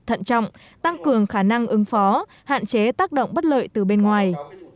thận trọng tăng cường khả năng ứng phó hạn chế tác động bất lợi từ bên ngoài